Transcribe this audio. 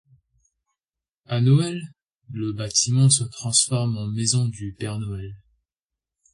A Noël, le bâtiment se transforme en Maison du Père Noël.